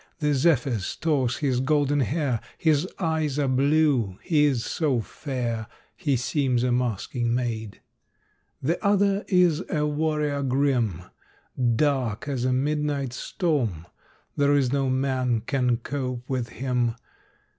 The zephyrs toss his golden hair, His eyes are blue; he is so fair He seems a masking maid. The other is a warrior grim, Dark as a midnight storm. There is no man can cope with him.